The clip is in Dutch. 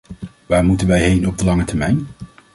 Waar moeten wij heen op de lange termijn?